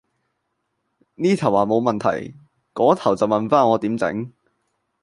呢頭話冇問題，嗰頭就問返我點整